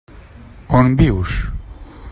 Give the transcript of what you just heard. On vius?